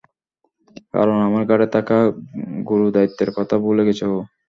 কারণ, আমার ঘাড়ে থাকা গুরুদায়িত্বের কথা ভুলে গেছে ও।